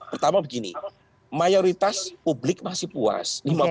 pertama begini mayoritas publik masih puas